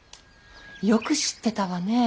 よく知ってたわね。